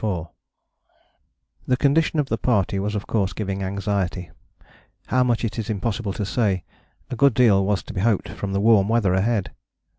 " The condition of the party was of course giving anxiety: how much it is impossible to say. A good deal was to be hoped from the warm weather ahead.